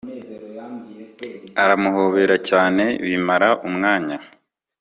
aramuhobera cyane bimara umwanya